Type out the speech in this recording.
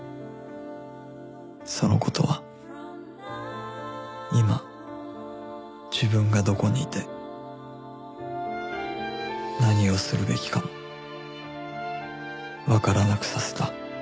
その事は今自分がどこにいて何をするべきかもわからなくさせた